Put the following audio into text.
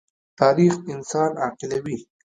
تاریخ انسان عاقلوي.